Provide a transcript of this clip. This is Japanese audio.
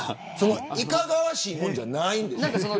いかがわしいもんじゃないんですか。